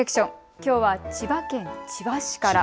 きょうは千葉県千葉市から。